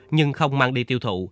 nhưng không mang đi tiêu thụ